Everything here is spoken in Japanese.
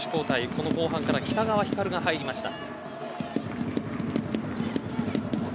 この後半から北川ひかるが入りました。